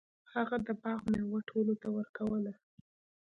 هغه د باغ میوه ټولو ته ورکوله.